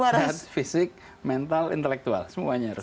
sehat fisik mental intelektual semuanya harus